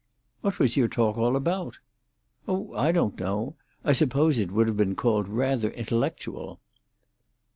"What was your talk all about?" "Oh, I don't know. I suppose it would have been called rather intellectual."